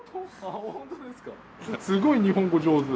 すごい日本語上手。